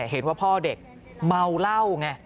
เห็นว่าพ่อเด็กเมาเหล้าไง